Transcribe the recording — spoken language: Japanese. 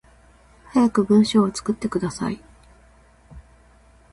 早く文章作ってください